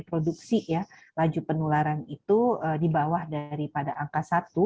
produksi ya laju penularan itu di bawah daripada angka satu